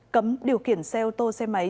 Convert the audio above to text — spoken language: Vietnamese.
cấm điều kiển xe ô tô xe máy